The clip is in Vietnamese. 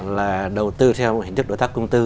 là đầu tư theo hình thức đối tác công tư